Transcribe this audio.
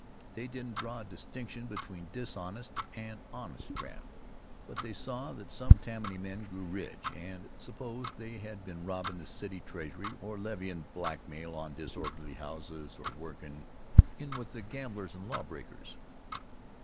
They didn't draw a distinction between dishonest and honest graft, but they saw that some Tammany men grew rich, and supposed they had been robbin' the city treasury or levyin' blackmail on disorderly houses, or workin' in with the gamblers and lawbreakers.